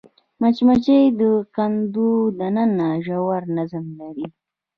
مچمچۍ د کندو دننه ژور نظم لري